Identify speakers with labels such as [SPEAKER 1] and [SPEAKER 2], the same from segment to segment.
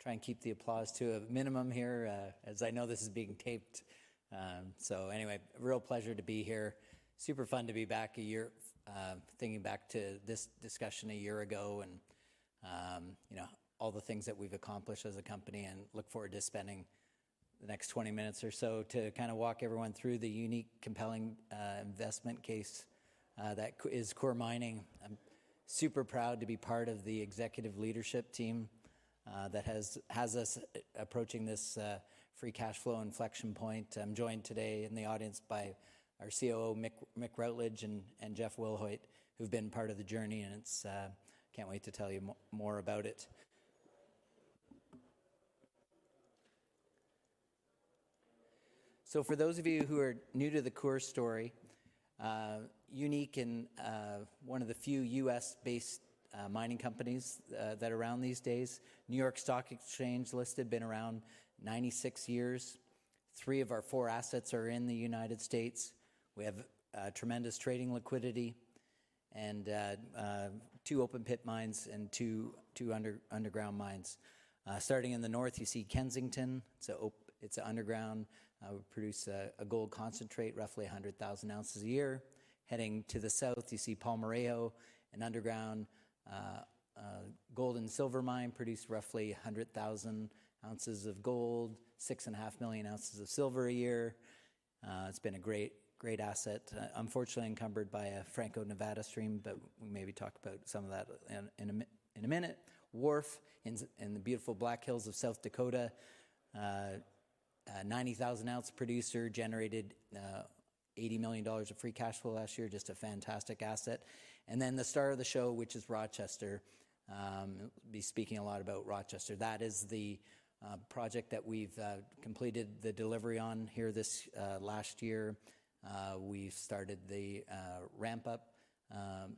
[SPEAKER 1] Try and keep the applause to a minimum here, as I know this is being taped. So anyway, real pleasure to be here. Super fun to be back a year, thinking back to this discussion a year ago and all the things that we've accomplished as a company. And look forward to spending the next 20 minutes or so to kind of walk everyone through the unique, compelling investment case that is Coeur Mining. I'm super proud to be part of the executive leadership team that has us approaching this free cash flow inflection point. I'm joined today in the audience by our COO, Mick Routledge, and Jeff Wilhoit, who've been part of the journey. And I can't wait to tell you more about it. So for those of you who are new to the Coeur story, unique in one of the few U.S.-based mining companies that are around these days, New York Stock Exchange listed, been around 96 years. Three of our four assets are in the United States. We have tremendous trading liquidity and two open-pit mines and two underground mines. Starting in the north, you see Kensington. It's an underground. We produce a gold concentrate, roughly 100,000 ounces a year. Heading to the south, you see Palmarejo, an underground gold and silver mine, produce roughly 100,000 ounces of gold, 6.5 million ounces of silver a year. It's been a great asset, unfortunately encumbered by a Franco-Nevada stream, but we maybe talk about some of that in a minute. Wharf, in the beautiful Black Hills of South Dakota, 90,000-ounce producer, generated $80 million of free cash flow last year, just a fantastic asset. The star of the show, which is Rochester. I'll be speaking a lot about Rochester. That is the project that we've completed the delivery on here last year. We've started the ramp-up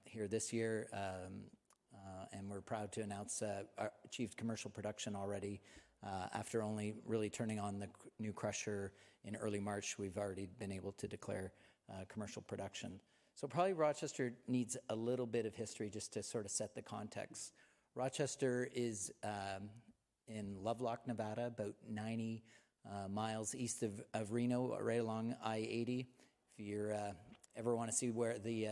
[SPEAKER 1] here this year. We're proud to announce achieved commercial production already. After only really turning on the new crusher in early March, we've already been able to declare commercial production. Probably Rochester needs a little bit of history just to sort of set the context. Rochester is in Lovelock, Nevada, about 90 miles east of Reno, right along I-80. If you ever want to see where the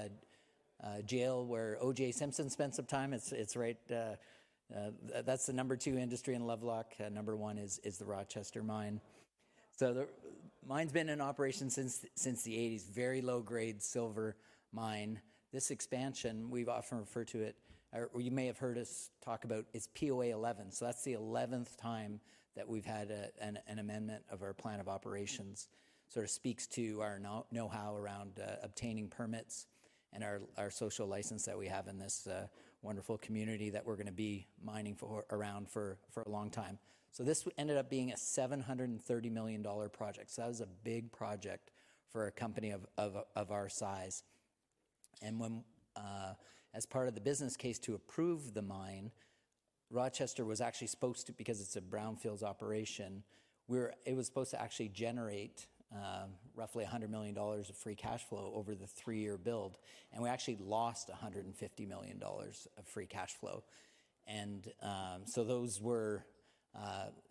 [SPEAKER 1] jail where O.J. Simpson spent some time, it's right, that's the number two industry in Lovelock. Number one is the Rochester mine. The mine's been in operation since the 1980s, very low-grade silver mine. This expansion, we've often referred to it or you may have heard us talk about, it's POA 11. So that's the 11th time that we've had an amendment of our plan of operations. Sort of speaks to our know-how around obtaining permits and our social license that we have in this wonderful community that we're going to be mining around for a long time. So this ended up being a $730 million project. So that was a big project for a company of our size. And as part of the business case to approve the mine, Rochester was actually supposed to because it's a brownfields operation, it was supposed to actually generate roughly $100 million of free cash flow over the three-year build. And we actually lost $150 million of free cash flow. And so those were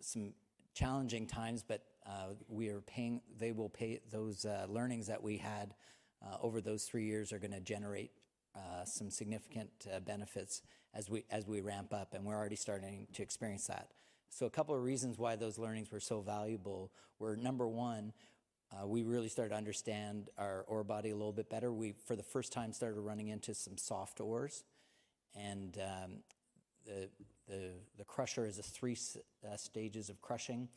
[SPEAKER 1] some challenging times, but we're applying those learnings that we had over those three years are going to generate some significant benefits as we ramp up. And we're already starting to experience that. So a couple of reasons why those learnings were so valuable were, number one, we really started to understand our ore body a little bit better. We, for the first time, started running into some soft ores. And the crusher is three stages of crushing.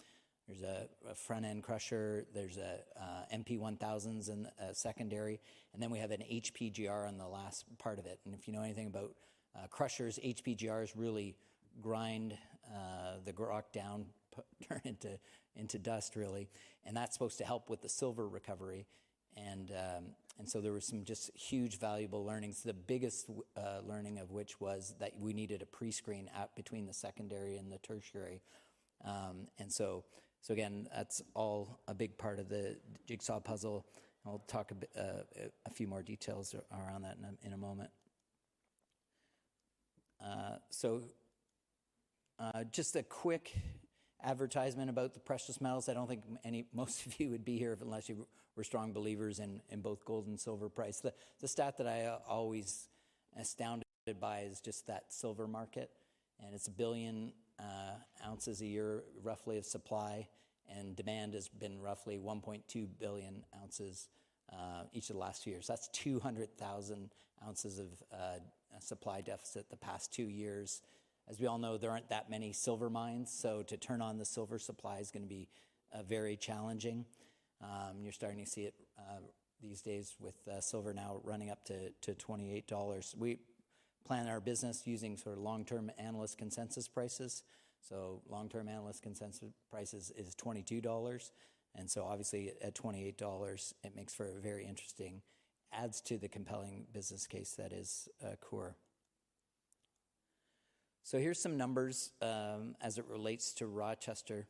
[SPEAKER 1] There's a front-end crusher. There's MP1000s in secondary. And then we have an HPGR on the last part of it. And if you know anything about crushers, HPGRs really grind the rock down, turn it into dust, really. And that's supposed to help with the silver recovery. There were some just huge, valuable learnings, the biggest learning of which was that we needed a pre-screen between the secondary and the tertiary. And so again, that's all a big part of the jigsaw puzzle. And we'll talk a few more details around that in a moment. So just a quick advertisement about the precious metals. I don't think any most of you would be here unless you were strong believers in both gold and silver price. The stat that I always astounded by is just that silver market. And it's 1 billion ounces a year, roughly, of supply. And demand has been roughly 1.2 billion ounces each of the last few years. That's 200,000 ounces of supply deficit the past two years. As we all know, there aren't that many silver mines. So to turn on the silver supply is going to be very challenging. You're starting to see it these days with silver now running up to $28. We plan our business using sort of long-term analyst consensus prices. So long-term analyst consensus prices is $22. And so obviously, at $28, it makes for a very interesting adds to the compelling business case that is Coeur. So here's some numbers as it relates to Rochester,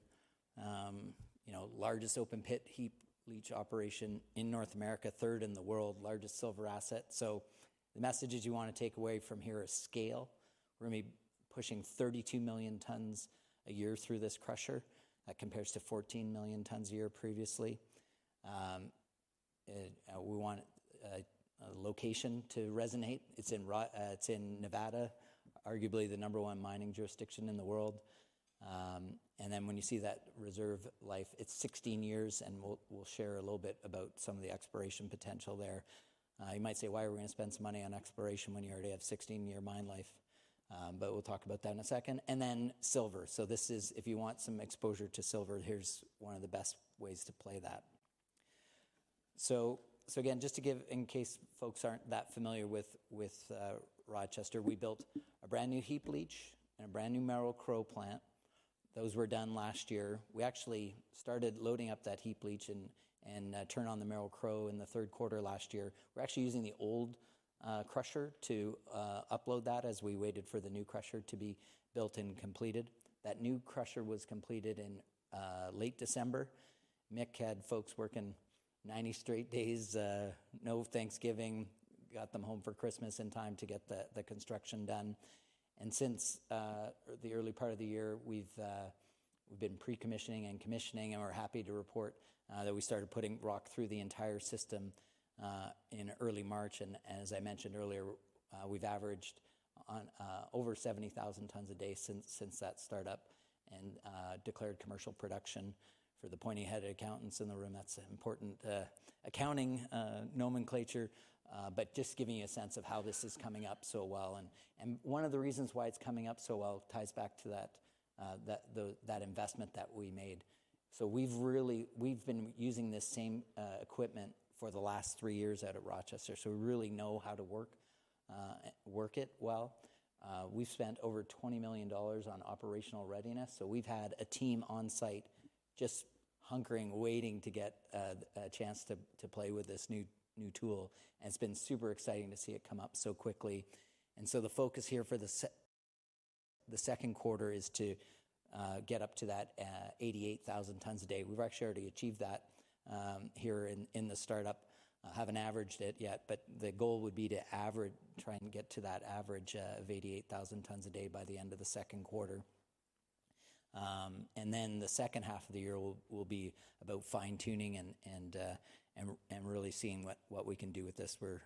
[SPEAKER 1] largest open-pit heap leach operation in North America, third in the world, largest silver asset. So the messages you want to take away from here are scale. We're going to be pushing 32 million tons a year through this crusher. That compares to 14 million tons a year previously. We want location to resonate. It's in Nevada, arguably the number one mining jurisdiction in the world. And then when you see that reserve life, it's 16 years. We'll share a little bit about some of the exploration potential there. You might say, "Why are we going to spend some money on exploration when you already have 16-year mine life?" But we'll talk about that in a second. And then silver. So this is if you want some exposure to silver, here's one of the best ways to play that. So again, just to give in case folks aren't that familiar with Rochester, we built a brand new heap leach and a brand new Merrill-Crowe plant. Those were done last year. We actually started loading up that heap leach and turned on the Merrill-Crowe in the third quarter last year. We're actually using the old crusher to upload that as we waited for the new crusher to be built and completed. That new crusher was completed in late December. Mick had folks working 90 straight days, no Thanksgiving, got them home for Christmas in time to get the construction done. Since the early part of the year, we've been pre-commissioning and commissioning. We're happy to report that we started putting rock through the entire system in early March. As I mentioned earlier, we've averaged over 70,000 tons a day since that startup and declared commercial production. For the pointy-headed accountants in the room, that's an important accounting nomenclature, but just giving you a sense of how this is coming up so well. One of the reasons why it's coming up so well ties back to that investment that we made. So we've really been using this same equipment for the last three years out at Rochester. We really know how to work it well. We've spent over $20 million on operational readiness. So we've had a team on site just hunkering, waiting to get a chance to play with this new tool. And it's been super exciting to see it come up so quickly. And so the focus here for the second quarter is to get up to that 88,000 tons a day. We've actually already achieved that here in the startup, haven't averaged it yet. But the goal would be to average, try and get to that average of 88,000 tons a day by the end of the second quarter. And then the second half of the year will be about fine-tuning and really seeing what we can do with this. We're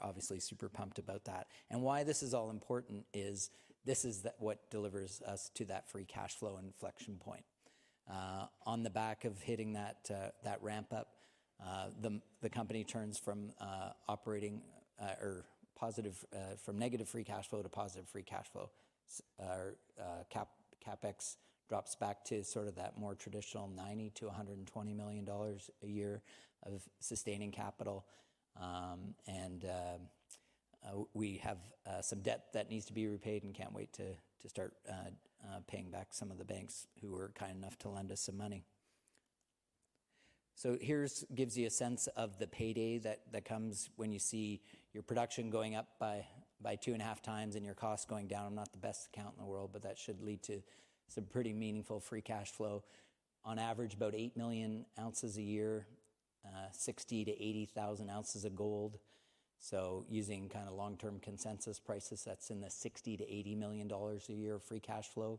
[SPEAKER 1] obviously super pumped about that. And why this is all important is this is what delivers us to that free cash flow inflection point. On the back of hitting that ramp-up, the company turns from operating negative free cash flow to positive free cash flow. Our CapEx drops back to sort of that more traditional $90 million-$120 million a year of sustaining capital. We have some debt that needs to be repaid and can't wait to start paying back some of the banks who were kind enough to lend us some money. So here it gives you a sense of the payday that comes when you see your production going up by 2.5 times and your costs going down. I'm not the best accountant in the world, but that should lead to some pretty meaningful free cash flow. On average, about 8,000,000 ounces a year, 60,000-80,000 ounces of gold. So using kind of long-term consensus prices, that's in the $60 million-$80 million a year of free cash flow.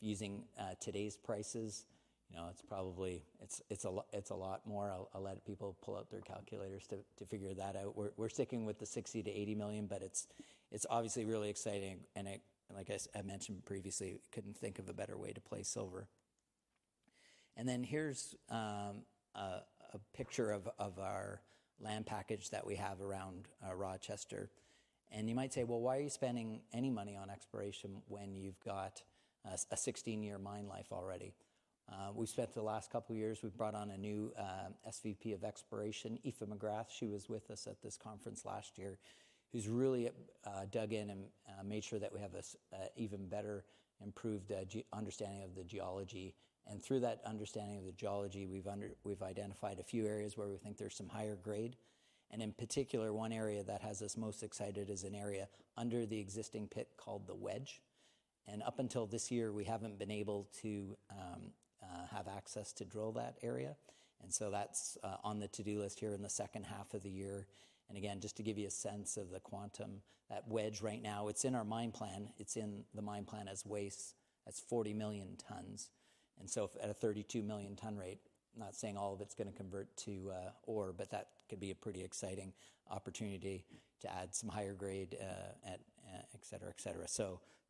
[SPEAKER 1] Using today's prices, it's probably a lot more. I'll let people pull out their calculators to figure that out. We're sticking with the $60 million-$80 million. But it's obviously really exciting. And like I mentioned previously, couldn't think of a better way to play silver. And then here's a picture of our land package that we have around Rochester. And you might say, "Well, why are you spending any money on exploration when you've got a 16-year mine life already?" We spent the last couple of years, we brought on a new SVP of exploration, Aoife McGrath. She was with us at this conference last year, who's really dug in and made sure that we have an even better improved understanding of the geology. Through that understanding of the geology, we've identified a few areas where we think there's some higher grade. In particular, one area that has us most excited is an area under the existing pit called the Wedge. Up until this year, we haven't been able to have access to drill that area. So that's on the to-do list here in the second half of the year. Again, just to give you a sense of the quantum, that Wedge right now, it's in our mine plan. It's in the mine plan as waste. That's 40 million tons. So at a 32 million ton rate, not saying all of it's going to convert to ore, but that could be a pretty exciting opportunity to add some higher grade, et cetera, et cetera.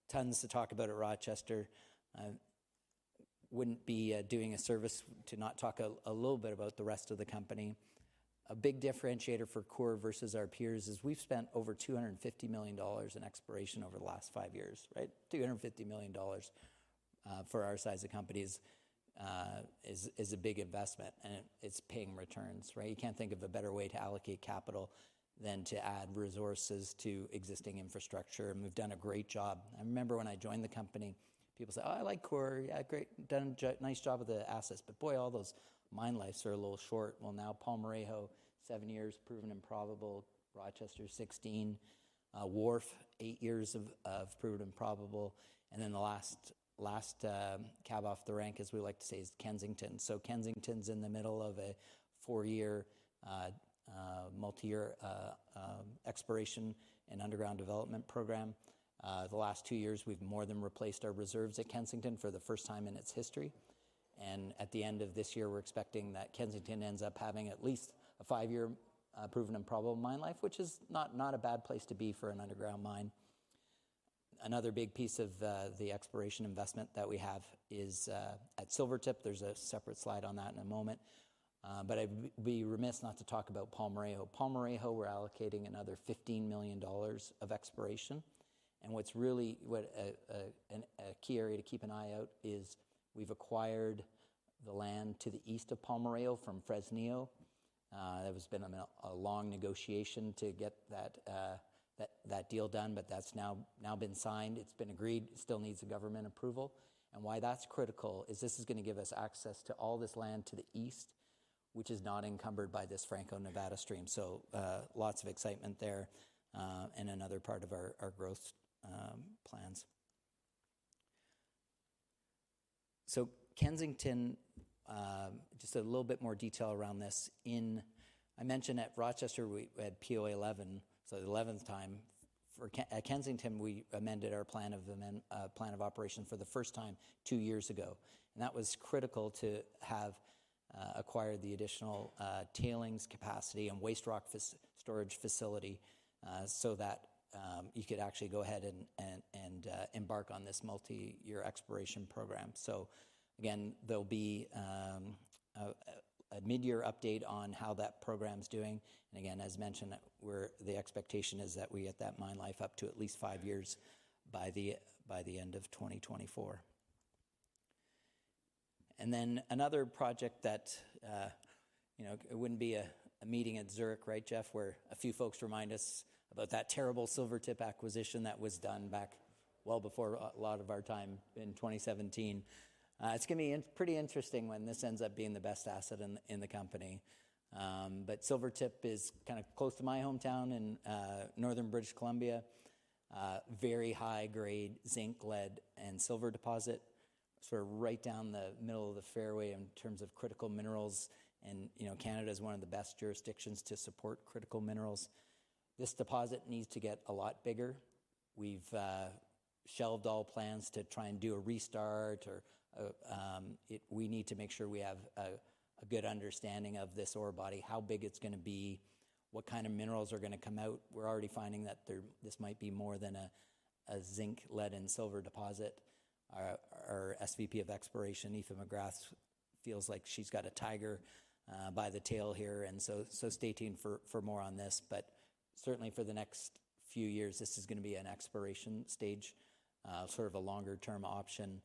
[SPEAKER 1] Tons to talk about at Rochester. Wouldn't be doing a service to not talk a little bit about the rest of the company. A big differentiator for Coeur versus our peers is we've spent over $250 million in exploration over the last five years, right? $250 million for our size of companies is a big investment. And it's paying returns, right? You can't think of a better way to allocate capital than to add resources to existing infrastructure. And we've done a great job. I remember when I joined the company, people said, "Oh, I like Coeur. Yeah, great. Done a nice job with the assets." But boy, all those mine lives are a little short. Well, now Palmarejo, seven years, proven and probable. Rochester, 16. Wharf, eight years of proven and probable. And then the last cab off the rank, as we like to say, is Kensington. So Kensington's in the middle of a four-year, multi-year exploration and underground development program. The last two years, we've more than replaced our reserves at Kensington for the first time in its history. And at the end of this year, we're expecting that Kensington ends up having at least a five-year proven and probable mine life, which is not a bad place to be for an underground mine. Another big piece of the exploration investment that we have is at Silvertip. There's a separate slide on that in a moment. But I'd be remiss not to talk about Palmarejo. Palmarejo, we're allocating another $15 million of exploration. And what's really what a key area to keep an eye out is we've acquired the land to the east of Palmarejo from Fresnillo. There's been a long negotiation to get that deal done. But that's now been signed. It's been agreed. It still needs the government approval. And why that's critical is this is going to give us access to all this land to the east, which is not encumbered by this Franco-Nevada stream. So lots of excitement there and another part of our growth plans. So Kensington, just a little bit more detail around this as I mentioned at Rochester, we had POA 11, so the 11th time. At Kensington, we amended our plan of operations for the first time two years ago. And that was critical to have acquired the additional tailings capacity and waste rock storage facility so that you could actually go ahead and embark on this multi-year exploration program. So again, there'll be a mid-year update on how that program's doing. And again, as mentioned, the expectation is that we get that mine life up to at least five years by the end of 2024. And then another project that it wouldn't be a meeting at Zurich, right, Jeff, where a few folks remind us about that terrible Silvertip acquisition that was done back well before a lot of our time in 2017. It's going to be pretty interesting when this ends up being the best asset in the company. But Silvertip is kind of close to my hometown in northern British Columbia, very high-grade zinc, lead, and silver deposit, sort of right down the middle of the fairway in terms of critical minerals. And Canada is one of the best jurisdictions to support critical minerals. This deposit needs to get a lot bigger. We've shelved all plans to try and do a restart. Or we need to make sure we have a good understanding of this ore body, how big it's going to be, what kind of minerals are going to come out. We're already finding that this might be more than a zinc, lead, and silver deposit. Our SVP of exploration, Aoife McGrath, feels like she's got a tiger by the tail here. And so stay tuned for more on this. But certainly, for the next few years, this is going to be an exploration stage, sort of a longer-term option,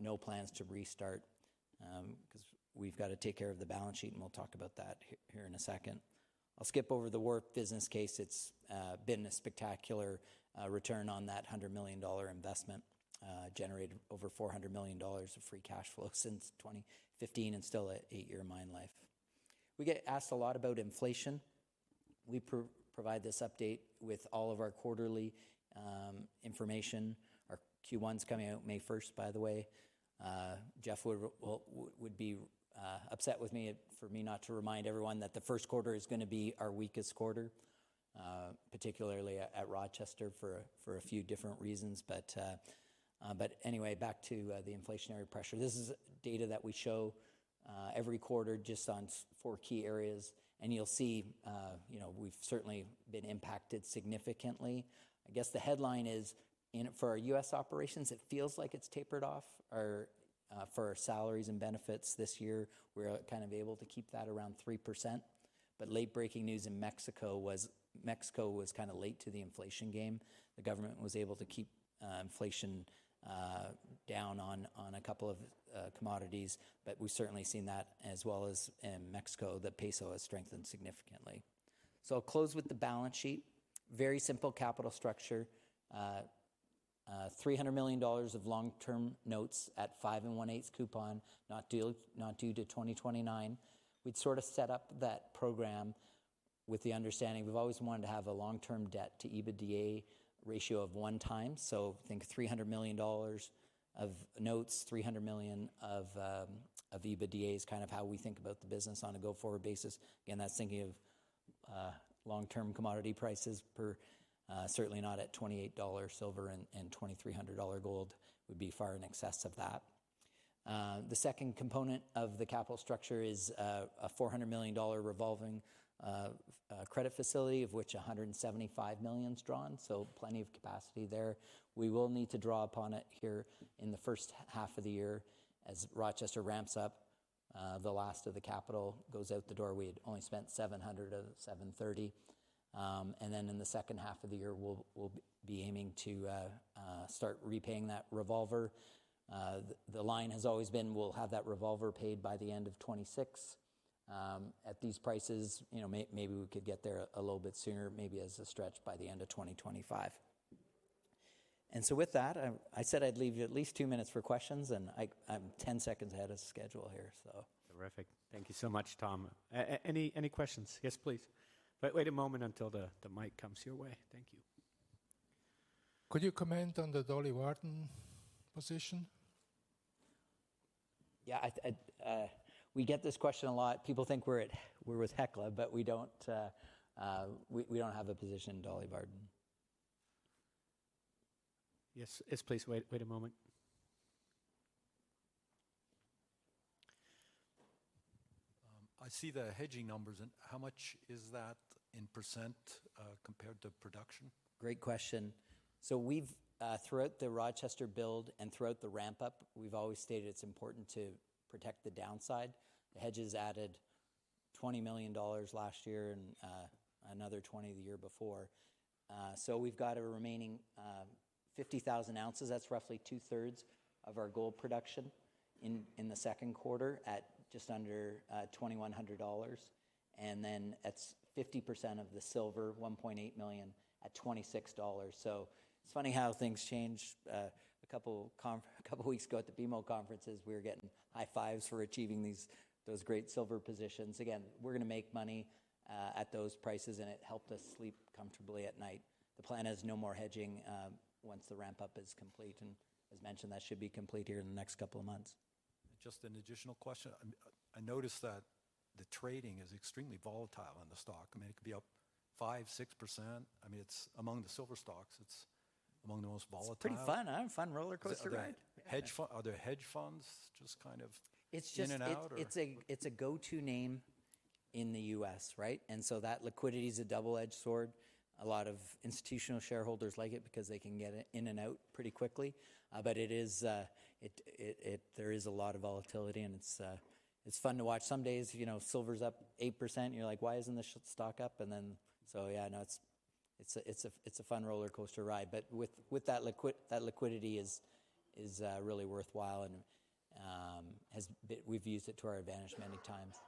[SPEAKER 1] no plans to restart because we've got to take care of the balance sheet. And we'll talk about that here in a second. I'll skip over the Wharf business case. It's been a spectacular return on that $100 million investment, generated over $400 million of free cash flow since 2015 and still at eight-year mine life. We get asked a lot about inflation. We provide this update with all of our quarterly information. Our Q1's coming out May 1st, by the way. Jeff would be upset with me for me not to remind everyone that the first quarter is going to be our weakest quarter, particularly at Rochester for a few different reasons. But anyway, back to the inflationary pressure. This is data that we show every quarter just on four key areas. You'll see we've certainly been impacted significantly. I guess the headline is for our U.S. operations, it feels like it's tapered off. For our salaries and benefits this year, we're kind of able to keep that around 3%. Late-breaking news in Mexico was Mexico was kind of late to the inflation game. The government was able to keep inflation down on a couple of commodities. But we've certainly seen that, as well as in Mexico, the peso has strengthened significantly. So I'll close with the balance sheet. Very simple capital structure, $300 million of long-term notes at 5 1/8% coupon, not due until 2029. We'd sort of set up that program with the understanding we've always wanted to have a long-term debt to EBITDA ratio of 1x. So think $300 million of notes, $300 million of EBITDA is kind of how we think about the business on a go-forward basis. Again, that's thinking of long-term commodity prices, but certainly not at $28 silver and $2,300 gold would be far in excess of that. The second component of the capital structure is a $400 million revolving credit facility, of which $175 million's drawn. So plenty of capacity there. We will need to draw upon it here in the first half of the year. As Rochester ramps up, the last of the capital goes out the door. We had only spent $700 of $730. And then in the second half of the year, we'll be aiming to start repaying that revolver. The line has always been we'll have that revolver paid by the end of 2026 at these prices. Maybe we could get there a little bit sooner, maybe as a stretch by the end of 2025. And so with that, I said I'd leave you at least two minutes for questions. And I'm 10 seconds ahead of schedule here, so.
[SPEAKER 2] Terrific. Thank you so much, Tom. Any questions? Yes, please. Wait a moment until the mic comes your way. Thank you.
[SPEAKER 3] Could you comment on the Dolly Varden position?
[SPEAKER 1] Yeah. We get this question a lot. People think we're with Hecla, but we don't have a position in Dolly Varden.
[SPEAKER 2] Yes, please. Wait a moment.
[SPEAKER 4] I see the hedging numbers. How much is that in % compared to production?
[SPEAKER 1] Great question. So throughout the Rochester build and throughout the ramp-up, we've always stated it's important to protect the downside. The hedge has added $20 million last year and another $20 million the year before. So we've got a remaining 50,000 ounces. That's roughly two-thirds of our gold production in the second quarter at just under $2,100. And then it's 50% of the silver, $1.8 million, at $26. So it's funny how things change. A couple of weeks ago at the BMO conferences, we were getting high fives for achieving those great silver positions. Again, we're going to make money at those prices. And it helped us sleep comfortably at night. The plan is no more hedging once the ramp-up is complete. And as mentioned, that should be complete here in the next couple of months.
[SPEAKER 4] Just an additional question. I noticed that the trading is extremely volatile in the stock. I mean, it could be up 5%, 6%. I mean, it's among the silver stocks. It's among the most volatile.
[SPEAKER 1] It's pretty fun. I have a fun roller coaster, right?
[SPEAKER 4] Are there hedge funds just kind of in and out?
[SPEAKER 1] It's a go-to name in the U.S., right? And so that liquidity is a double-edged sword. A lot of institutional shareholders like it because they can get it in and out pretty quickly. But there is a lot of volatility. And it's fun to watch. Some days, silver's up 8%. You're like, "Why isn't this stock up?" And then so yeah, no, it's a fun roller coaster ride. But with that liquidity is really worthwhile. And we've used it to our advantage many times.